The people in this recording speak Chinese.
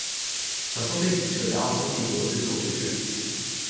小说背景设在奥匈帝国的最后岁月。